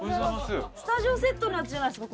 スタジオセットのやつじゃないですか！